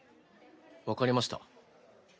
分かりました。